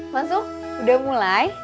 masuk udah mulai